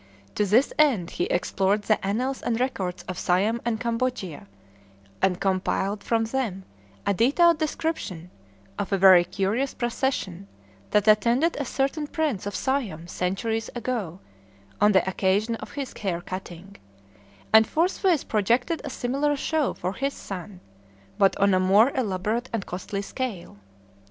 To this end he explored the annals and records of Siam and Cambodia, and compiled from them a detailed description of a very curious procession that attended a certain prince of Siam centuries ago, on the occasion of his hair cutting; and forthwith projected a similar show for his son, but on a more elaborate and costly scale.